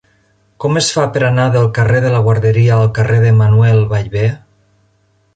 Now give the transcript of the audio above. Com es fa per anar del carrer de la Guarderia al carrer de Manuel Ballbé?